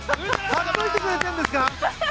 貼っておいてくれてるんですか。